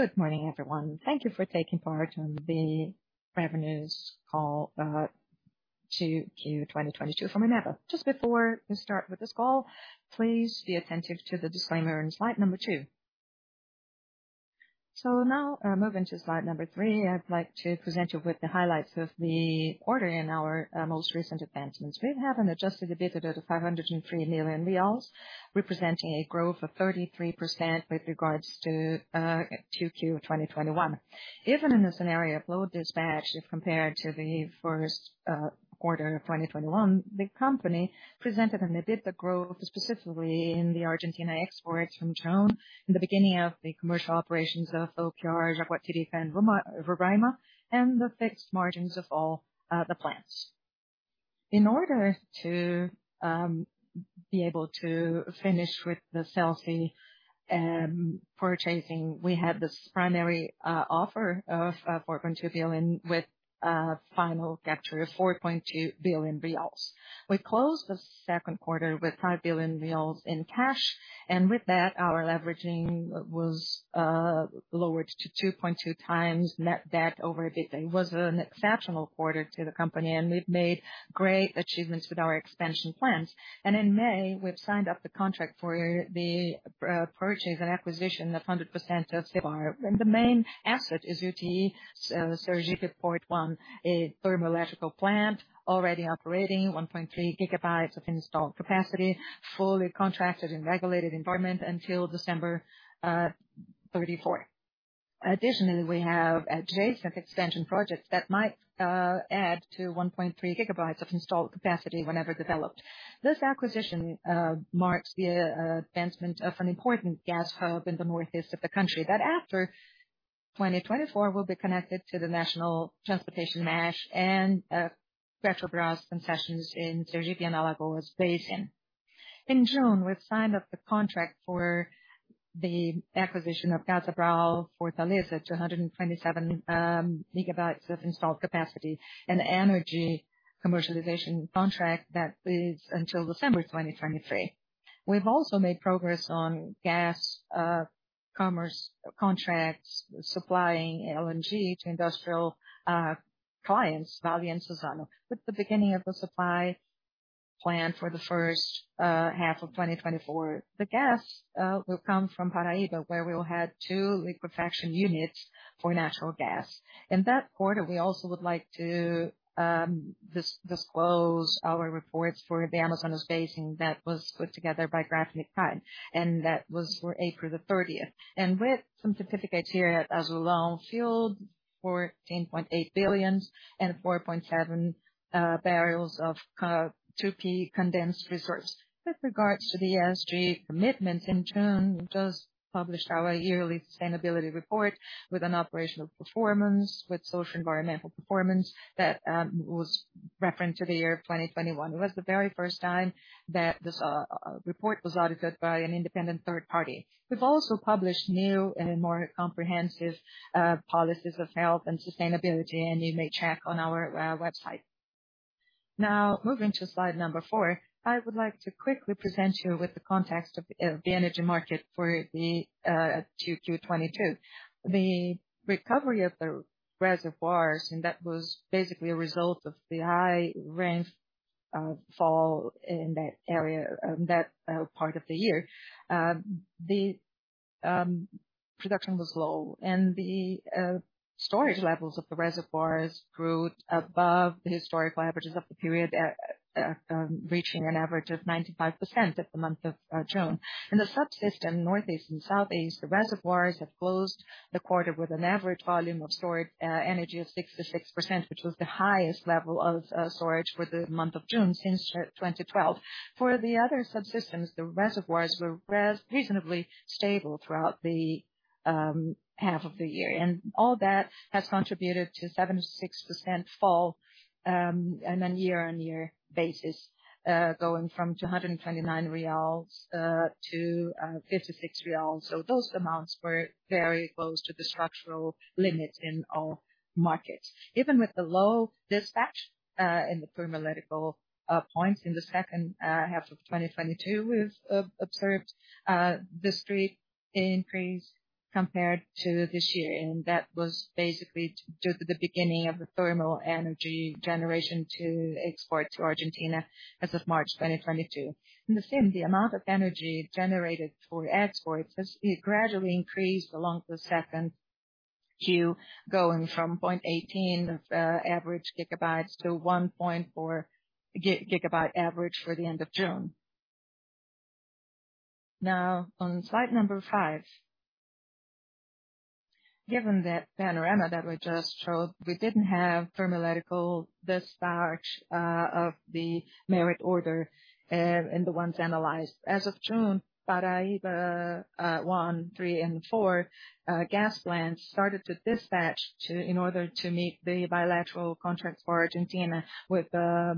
Good morning, everyone. Thank you for taking part in the earnings call, 2Q 2022 from Eneva. Just before we start with this call, please be attentive to the disclaimer in slide number two. Now, moving to slide number three, I'd like to present you with the highlights of the quarter and our most recent advancements. We have an Adjusted EBITDA of 503 million reais, representing a growth of 33% with regards to 2Q 2021. Even in the scenario of low dispatch, if compared to the first quarter of 2021, the company presented an EBITDA growth specifically in the Argentina exports from June and the beginning of the commercial operations of our Jaguatirica and Roma-Roraima, and the fixed margins of all the plants. In order to be able to finish with the CELSE purchasing, we had this primary offer of 4.2 billion with final capture of 4.2 billion reais. We closed the second quarter with 5 billion reais in cash, and with that, our leverage was lowered to 2.2x net debt over EBITDA. It was an exceptional quarter to the company, and we've made great achievements with our expansion plans. In May, we've signed the contract for the purchase and acquisition of 100% of CEBARRA. The main asset is UTE Porto de Sergipe I, a thermoelectric plant already operating 1.3 GW of installed capacity, fully contracted in regulated environment until December 2034. Additionally, we have adjacent extension projects that might add to 1.3 GW of installed capacity whenever developed. This acquisition marks the advancement of an important gas hub in the northeast of the country that after 2024 will be connected to the National Gas Transportation Network and Petrobras concessions in Sergipe and Alagoas Basin. In June, we've signed up the contract for the acquisition of Termofortaleza, 227 MW of installed capacity and energy commercialization contract that is until December 2023. We've also made progress on gas commerce contracts, supplying LNG to industrial clients, Vale and Suzano. With the beginning of the supply plan for the first half of 2024, the gas will come from Paraíba, where we will have two liquefaction units for natural gas. In that quarter, we also would like to disclose our reports for the Amazonas Basin that was put together by Gaffney Cline & Associates, and that was for April 30. With some specific criteria as Azulão field, 14.8 billion and 4.7 barrels of 2P contingent resource. With regards to the ESG commitment, in June, we just published our yearly sustainability report with an operational performance, with social environmental performance that was referenced to the year of 2021. It was the very first time that this report was audited by an independent third party. We've also published new and more comprehensive policies of health and sustainability, and you may check on our website. Now, moving to slide number four, I would like to quickly present you with the context of the energy market for the 2Q 2022. The recovery of the reservoirs, and that was basically a result of the high rainfall in that area, that part of the year. The production was low, and the storage levels of the reservoirs grew above the historical averages of the period, reaching an average of 95% in the month of June. In the Northeast and Southeast subsystems, the reservoirs have closed the quarter with an average volume of stored energy of 66%, which was the highest level of storage for the month of June since 2012. For the other subsystems, the reservoirs were reasonably stable throughout the half of the year. All that has contributed to a 76% fall on a year-on-year basis, going from 229 reais to 56 real. Those amounts were very close to the structural limit in all markets. Even with the low dispatch in the thermoelectric plants in the second half of 2022, we've observed the steep increase compared to this year. That was basically due to the beginning of the thermal energy generation to export to Argentina as of March 2022. The same, the amount of energy generated for export has gradually increased along the second Q, going from 0.18 average GWh to 1.4 GWh average for the end of June. Now on slide number five. Given the panorama that we just showed, we didn't have thermoelectric dispatch of the merit order and the ones analyzed. As of June, Parnaíba I, III and IV gas plants started to dispatch in order to meet the bilateral contracts for Argentina with a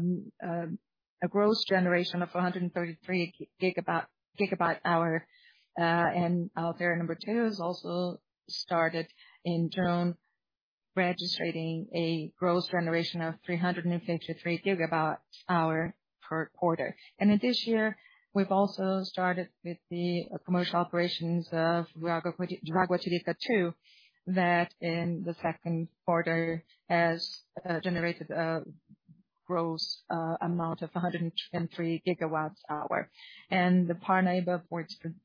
gross generation of 133 GWh. Alterra number II has also started in June, registering a gross generation of 353 GWh per quarter. In this year, we've also started with the commercial operations of Jaguatirica II, that in the second quarter has generated a gross amount of 123 GWh. The Parnaíba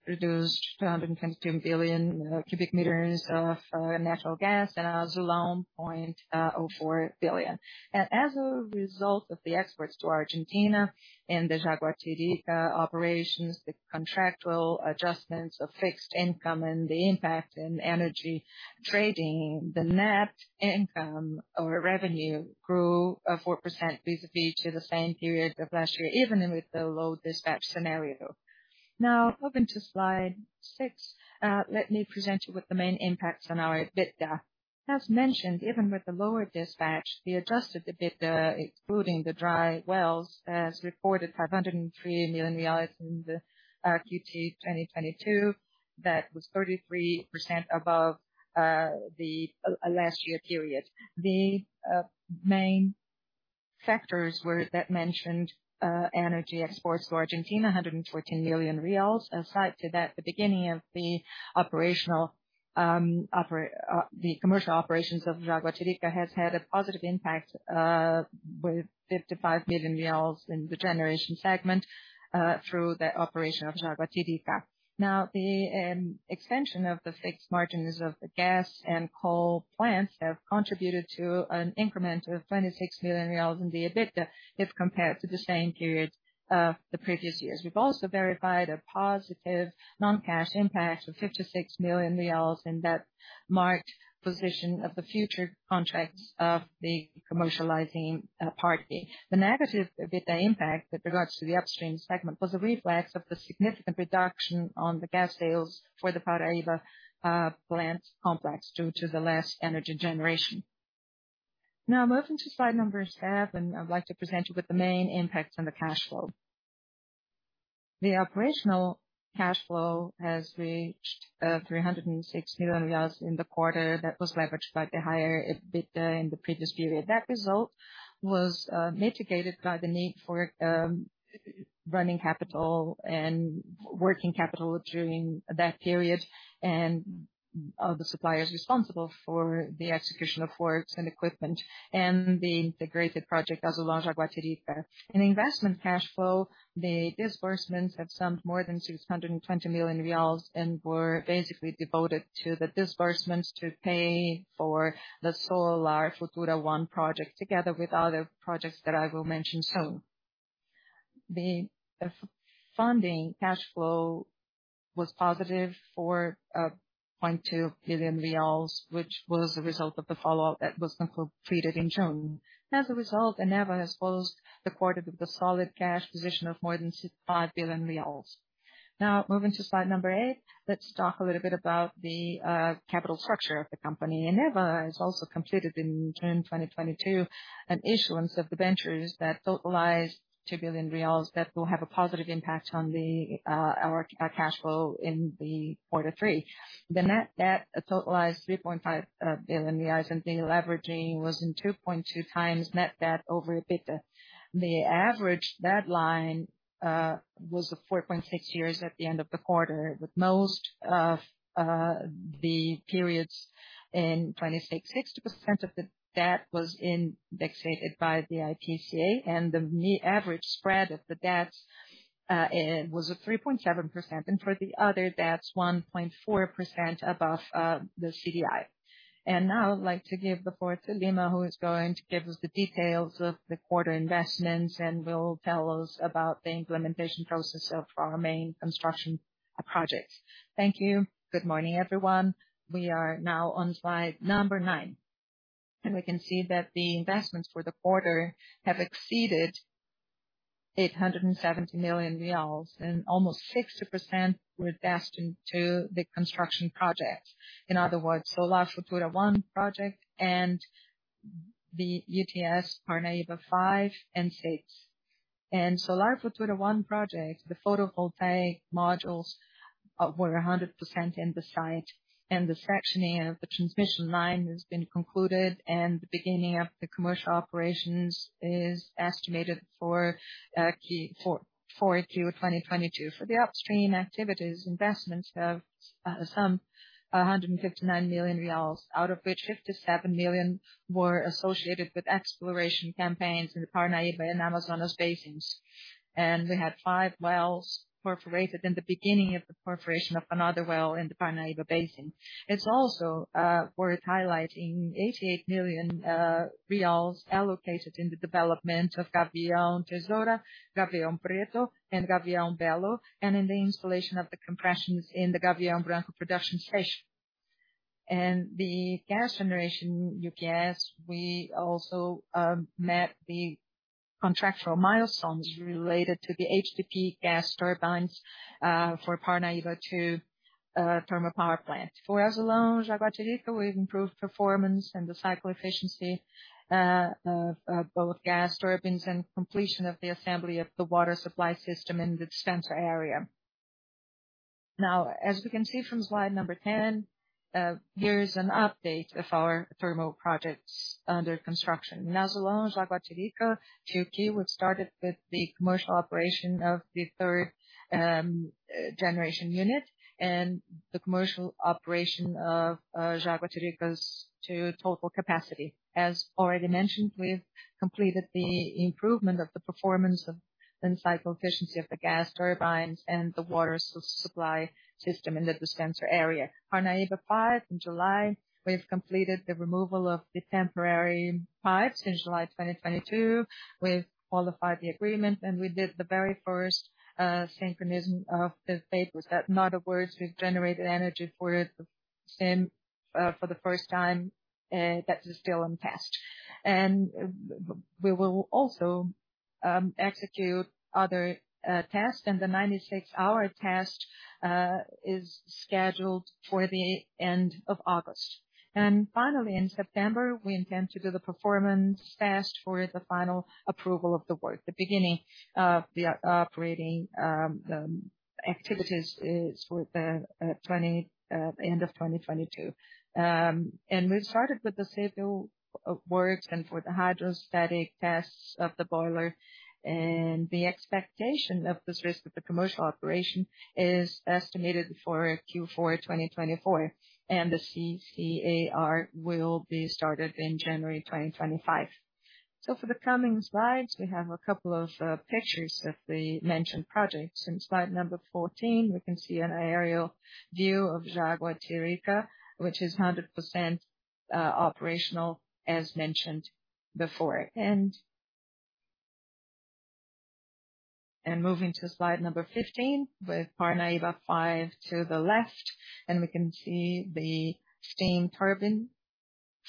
produced 222 billion cubic meters of natural gas and Azulão 0.04 billion. As a result of the exports to Argentina and the Jaguatirica operations, the contractual adjustments of fixed income and the impact in energy trading, the net income or revenue grew, 4% vis-à-vis to the same period of last year, even with the low dispatch scenario. Now moving to slide six, let me present you with the main impacts on our EBITDA. As mentioned, even with the lower dispatch, the Adjusted EBITDA, excluding the dry wells, has reported 503 million in the Q2 2022. That was 33% above, the last year period. The main factors were that mentioned, energy exports to Argentina, 114 million reais. In addition to that, the beginning of the commercial operations of Jaguatirica has had a positive impact with 55 million in the generation segment through the operation of Jaguatirica. The extension of the fixed margins of the gas and coal plants have contributed to an increment of BRL 26 million in the EBITDA if compared to the same period, the previous years. We've also verified a positive non-cash impact of 56 million reais, and that mark-to-market position of the futures contracts of the commercializing party. The negative EBITDA impact with regards to the upstream segment was a reflection of the significant reduction on the gas sales for the Parnaíba plant complex due to the less energy generation. Moving to slide number seven, I'd like to present you with the main impacts on the cash flow. The operational cash flow has reached 306 million in the quarter. That was leveraged by the higher EBITDA in the previous period. That result was mitigated by the need for running capital and working capital during that period and the suppliers responsible for the execution of works and equipment and the integrated project Azulão-Jaguatirica. In investment cash flow, the disbursements have summed more than BRL 620 million and were basically devoted to the disbursements to pay for the Futura I project together with other projects that I will mention soon. The funding cash flow was positive for BRL 0.2 billion, which was a result of the follow-up that was completed in June. As a result, Eneva has closed the quarter with a solid cash position of more than BRL 6.5 billion. Now moving to slide number eight, let's talk a little bit about the capital structure of the company. Eneva has also completed in June 2022 an issuance of debentures that totaled 2 billion reais that will have a positive impact on our cash flow in quarter three. The net debt totaled 3.5 billion reais, and the leverage was 2.2x net debt over EBITDA. The average deadline was 4.6 years at the end of the quarter, with most of the periods in 2026. 60% of the debt was indexed by the IPCA, and the average spread of the debts it was 3.7%, and for the other debts, 1.4% above the CDI. I'd like to give the floor to Lino Cançado, who is going to give us the details of the quarter investments and will tell us about the implementation process of our main construction projects. Thank you. Good morning, everyone. We are now on slide number nine, and we can see that the investments for the quarter have exceeded 870 million reais, and almost 60% were invested to the construction project. In other words, Futura I project and the UTE Parnaíba V and VI. In Futura I project, the photovoltaic modules were 100% in the site, and the sectioning of the transmission line has been concluded, and the beginning of the commercial operations is estimated for Q4 2022. For the upstream activities, investments have summed BRL 159 million, out of which 57 million were associated with exploration campaigns in the Parnaíba and Amazonas basins. We had five wells perforated and the beginning of the perforation of another well in the Parnaíba Basin. It's also worth highlighting 88 million reais allocated in the development of Gavião Tesoura, Gavião Preto, and Gavião Belo, and in the installation of the compressions in the Gavião Branco production station. The gas generation, you guessed, we also met the contractual milestones related to the HTP gas turbines for Parnaíba Two thermal power plant. For Azulão-Jaguatirica, we've improved performance and the cycle efficiency of both gas turbines and completion of the assembly of the water supply system in the center area. Now, as we can see from slide number 10, here is an update of our thermal projects under construction. Azulão, Jaguatirica II. We've started with the commercial operation of the third generation unit and the commercial operation of Jaguatirica II's total capacity. As already mentioned, we've completed the improvement of the performance and cycle efficiency of the gas turbines and the water supply system in the distant area. Parnaíba V in July, we've completed the removal of the temporary pipes in July 2022. We've qualified the equipment, and we did the very first synchronism of the plant. With that, in other words, we've generated energy for the first time that is still in test. We will also execute other tests. The 96-hour test is scheduled for the end of August. Finally, in September, we intend to do the performance test for the final approval of the work. The beginning of the operating activities is for the end of 2022. We've started with the civil works and for the hydrostatic tests of the boiler. The expectation of the risk of the commercial operation is estimated for Q4 2024, and the CCAR will be started in January 2025. For the coming slides, we have a couple of pictures of the mentioned projects. In slide 14, we can see an aerial view of Jaguatirica, which is 100% operational, as mentioned before. Moving to slide 15, with Parnaíba V to the left, and we can see the steam turbine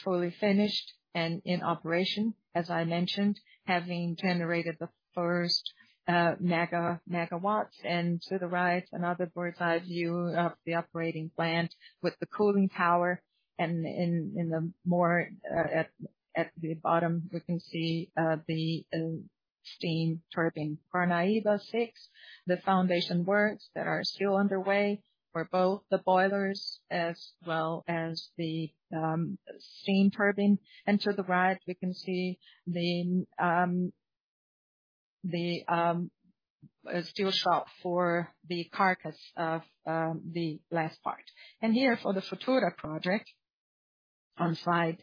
fully finished and in operation, as I mentioned, having generated the first megawatts. To the right, another bird's-eye view of the operating plant with the cooling tower. At the bottom, we can see the steam turbine. Parnaíba VI, the foundation works that are still underway for both the boilers as well as the steam turbine. To the right, we can see the steel shop for the carcass of the last part. Here, for the Futura project on slide 14,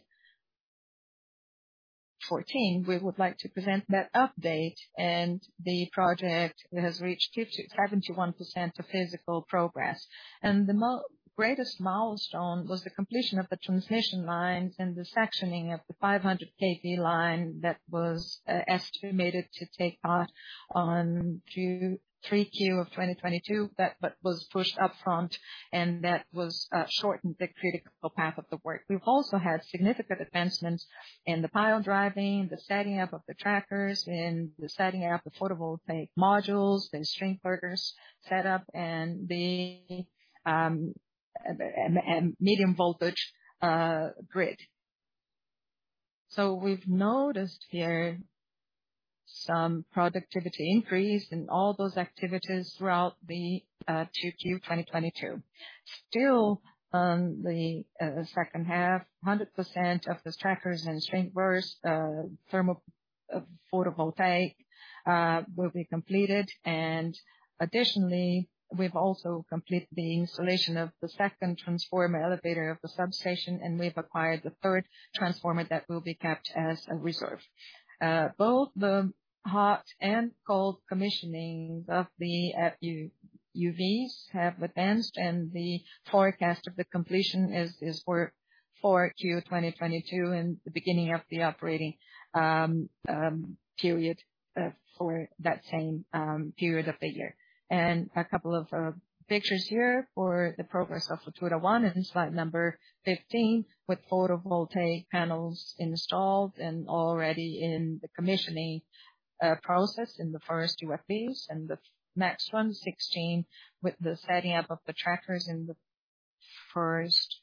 we would like to present that update. The project has reached 71% of physical progress. The greatest milestone was the completion of the transmission lines and the sectioning of the 500 kV line that was estimated to take on in Q3 2022, but was pushed up front, and that shortened the critical path of the work. We've also had significant advancements in the pile driving, the setting up of the trackers, in the setting up the photovoltaic modules, the string inverters set up and the medium voltage grid. We've noticed here some productivity increase in all those activities throughout 2Q 2022. Still, the second half, 100% of the trackers and string inverters, thermal photovoltaic, will be completed. Additionally, we've also completed the installation of the second transformer elevator of the substation, and we've acquired the third transformer that will be kept as a reserve. Both the hot and cold commissioning of the UFVs have advanced, and the forecast of the completion is for Q 2022 and the beginning of the operating period for that same period of the year. A couple of pictures here for the progress of Futura I in slide number 15, with photovoltaic panels installed and already in the commissioning process in the first UFVs. The next one, 16, with the setting up of the trackers in the first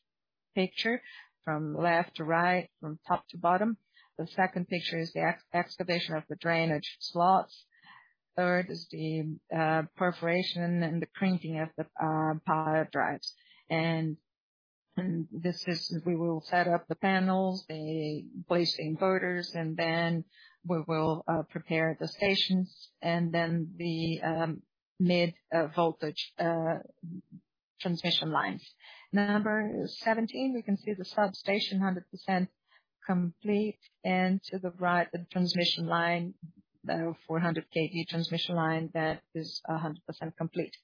picture from left to right, from top to bottom. The second picture is the excavation of the drainage slots. Third is the perforation and the painting of the pile drives. This is we will set up the panels, the blade inverters, and then we will prepare the stations and then the medium voltage transmission lines. Number 17, we can see the substation 100% complete. To the right, the transmission line, the 400 kV transmission line that is 100% complete.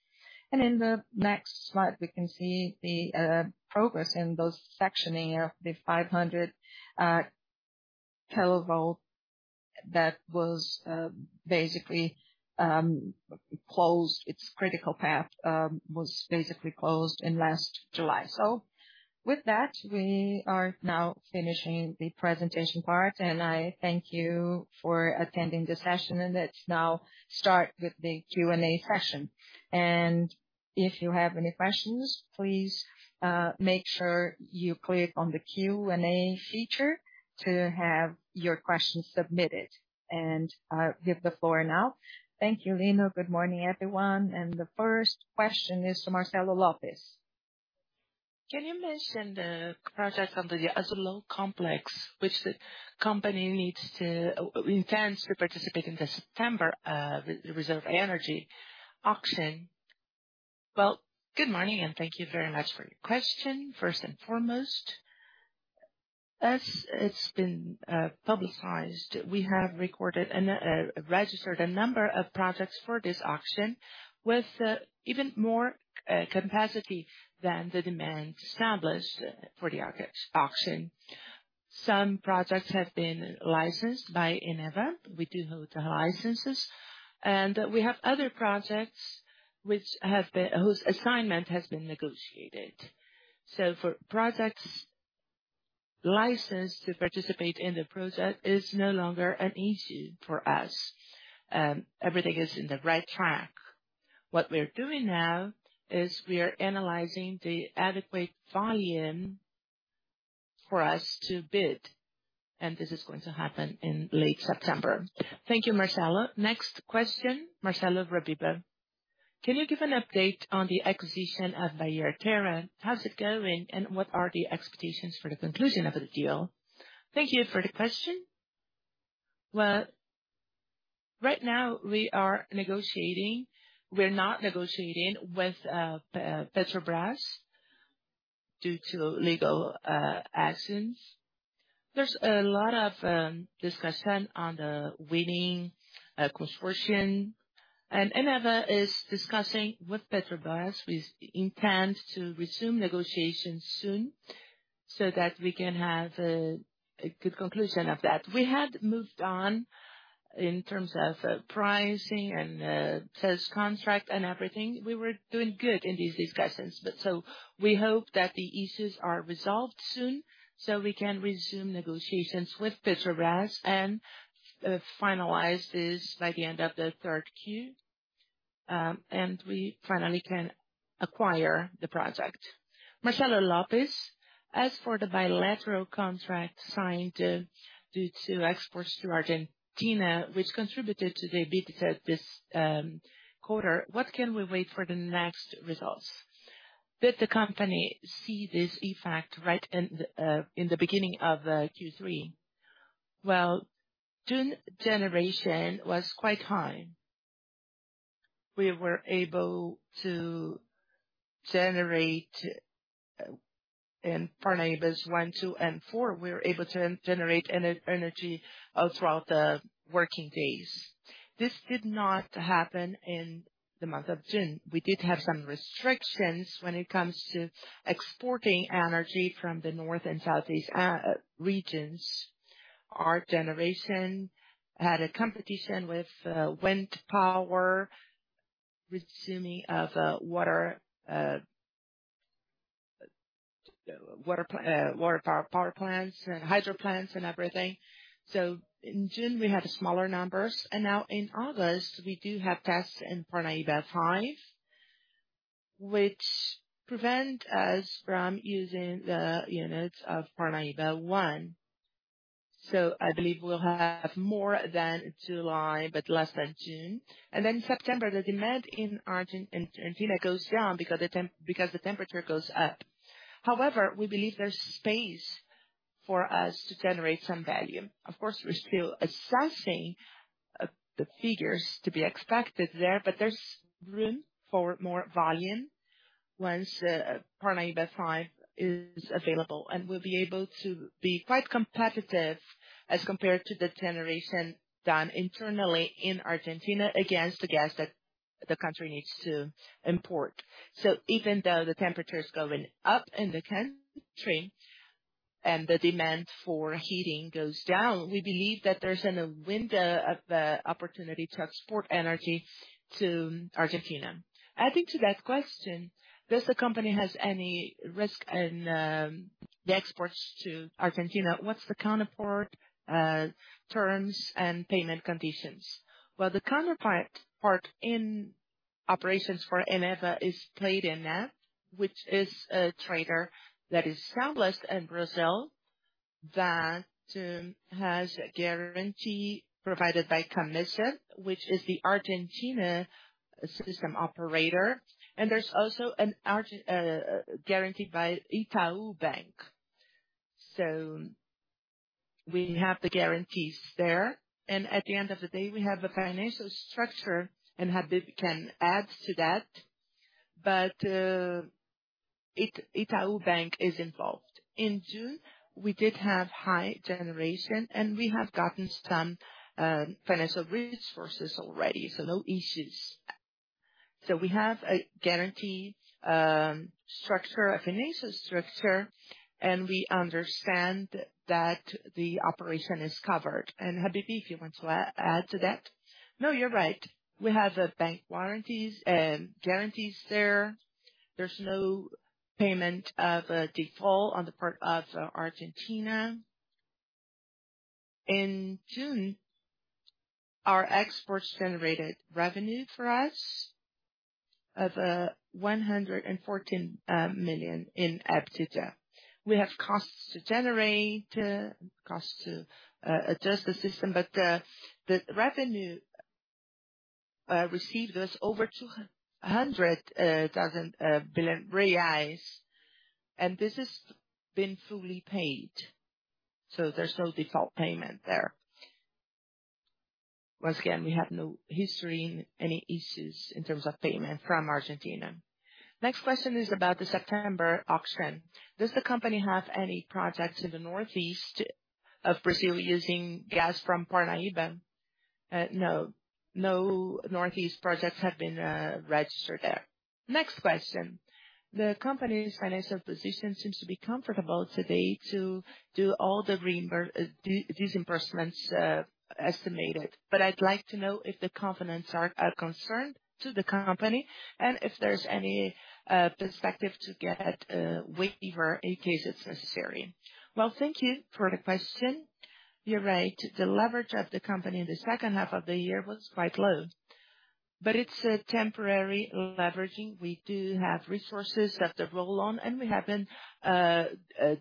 In the next slide, we can see the progress in those sections of the 500 kV that was basically closed. Its critical path was basically closed in last July. With that, we are now finishing the presentation part, and I thank you for attending the session. Let's now start with the Q&A session. If you have any questions, please, make sure you click on the Q&A feature to have your questions submitted. I give the floor now. Thank you, Lino. Good morning, everyone. The first question is to Marcelo Lopes. Can you mention the projects under the Azulão complex, which the company intends to participate in the September reserve energy auction? Well, good morning, and thank you very much for your question. First and foremost, as it's been publicized, we have registered a number of projects for this auction with even more capacity than the demand established for the auction. Some projects have been licensed by Eneva. We do hold the licenses, and we have other projects whose assignment has been negotiated. For projects licensed to participate in the project is no longer an issue for us. Everything is on the right track. What we're doing now is we are analyzing the adequate volume for us to bid, and this is going to happen in late September. Thank you, Marcelo. Next question, Marcelo Rabelo. Can you give an update on the acquisition of Bahia Terra? How's it going, and what are the expectations for the conclusion of the deal? Thank you for the question. Well, right now we are negotiating. We're not negotiating with Petrobras due to legal actions. There's a lot of discussion on the winning consortium, and Eneva is discussing with Petrobras. We intend to resume negotiations soon so that we can have a good conclusion of that. We had moved on in terms of pricing and sales contract and everything. We were doing good in these discussions. We hope that the issues are resolved soon, so we can resume negotiations with Petrobras and finalize this by the end of the third Q, and we finally can acquire the project. Marcelo Lopes, as for the bilateral contract signed due to exports to Argentina, which contributed to the EBITDA this quarter, what can we expect for the next results? Did the company see this effect right in the beginning of Q3? Well, June generation was quite high. We were able to generate in Parnaíba I, II, and IV. We were able to generate energy throughout the working days. This did not happen in the month of June. We did have some restrictions when it comes to exporting energy from the north and southeast regions. Our generation had a competition with wind power, resumption of water power plants and hydro plants and everything. In June, we had smaller numbers. Now in August, we do have tests in Parnaíba five, which prevent us from using the units of Parnaíba I. I believe we'll have more than July, but less than June. Then September, the demand in Argentina goes down because the temperature goes up. However, we believe there's space for us to generate some value. Of course, we're still assessing the figures to be expected there, but there's room for more volume once Parnaíba five is available. We'll be able to be quite competitive as compared to the generation done internally in Argentina against the gas that the country needs to import. Even though the temperature is going up in the country and the demand for heating goes down, we believe that there's a window of opportunity to export energy to Argentina. Adding to that question, does the company has any risk in the exports to Argentina? What's the counterpart terms and payment conditions? Well, the counterpart part in operations for Eneva is Tradener, which is a trader that is established in Brazil, that has a guarantee provided by CAMMESA, which is the Argentina system operator. There's also guaranteed by Itaú Bank. We have the guarantees there, and at the end of the day, we have a financial structure, and Habibe can add to that. Itaú Bank is involved. In June, we did have high generation, and we have gotten some financial resources already, so no issues. We have a guarantee structure, a financial structure, and we understand that the operation is covered. Habibe, if you want to add to that. No, you're right. We have the bank warranties and guarantees there. There's no payment of a default on the part of Argentina. In June, our exports generated revenue for us of 114 million in EBITDA. We have costs to adjust the system. The revenue received over 200 million reais, and this has been fully paid, so there's no default payment there. Once again, we have no history in any issues in terms of payment from Argentina. Next question is about the September auction. Does the company have any projects in the northeast of Brazil using gas from Parnaíba? No. No northeast projects have been registered there. Next question. The company's financial position seems to be comfortable today to do all the reimbursement and disbursement estimated. I'd like to know if the covenants are a concern to the company and if there's any perspective to get a waiver in case it's necessary. Well, thank you for the question. You're right. The leverage of the company in the second half of the year was quite low. It's a temporary leveraging. We do have resources that are rolling over, and we haven't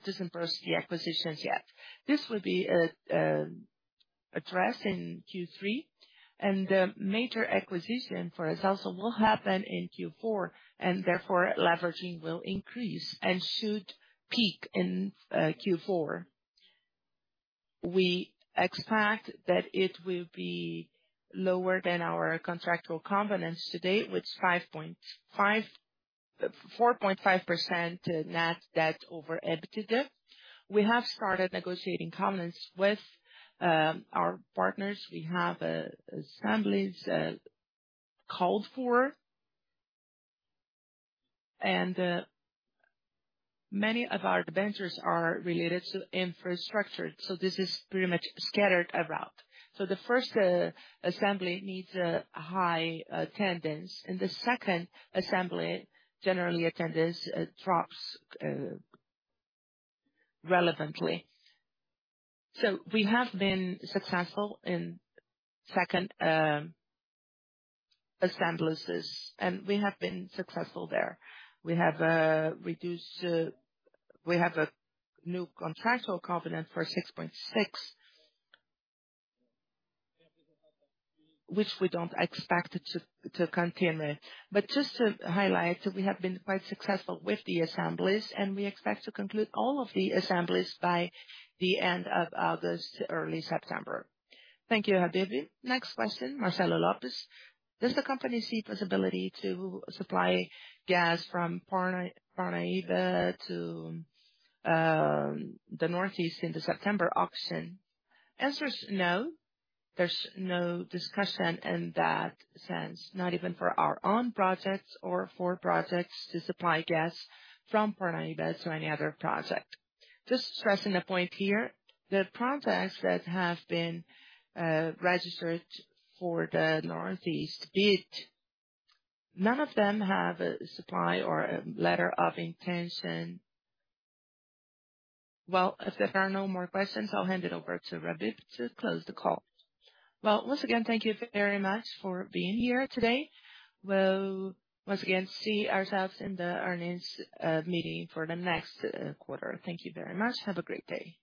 disbursed the acquisitions yet. This will be addressed in Q3, and the major acquisition for CELSE will happen in Q4, and therefore, leveraging will increase and should peak in Q4. We expect that it will be lower than our contractual covenants to date, with 4.5% net debt over EBITDA. We have started negotiating covenants with our partners. We have assemblies called for and many of our ventures are related to infrastructure, so this is pretty much scattered about. The first assembly needs a high attendance and the second assembly, generally attendance, drops relevantly. We have been successful in second assemblies, and we have been successful there. We have a new contractual covenant for 6.6 which we don't expect it to continue. Just to highlight, we have been quite successful with the assemblies, and we expect to conclude all of the assemblies by the end of August, early September. Thank you, Habibe. Next question, Marcelo Lopes. Does the company see possibility to supply gas from Parnaíba to the northeast in the September auction? Answer is no. There's no discussion in that sense, not even for our own projects or for projects to supply gas from Parnaíba to any other project. Just stressing the point here, the projects that have been registered for the northeast bid, none of them have a supply or a letter of intention. Well, if there are no more questions, I'll hand it over to Habibe to close the call. Well, once again, thank you very much for being here today. We'll once again see ourselves in the earnings meeting for the next quarter. Thank you very much. Have a great day.